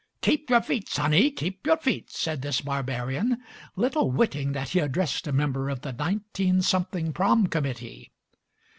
"Keep your feet, sonny; keep your feet/' said this barbarian, little witting that he addressed a member of the nineteen something prom, committee.